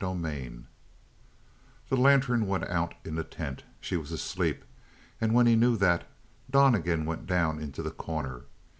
14 The lantern went out in the tent; she was asleep; and when he knew that, Donnegan went down into The Corner.